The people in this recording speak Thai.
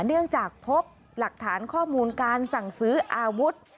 เนื่องจากพบหลักฐานข้อมูลการสั่งซื้ออาวุธ